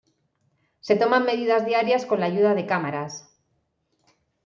Se toman medidas diarias con la ayuda de cámaras.